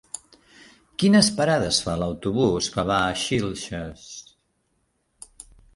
Quines parades fa l'autobús que va a Xilxes?